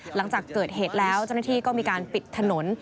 หลังจากเกิดเหตุแล้วเจ้าหน้าที่ก็มีการปิดถนน